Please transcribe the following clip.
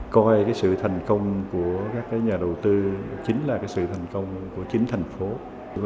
coi sự thành công của các nhà đầu tư chính là sự thành công của chính tp hcm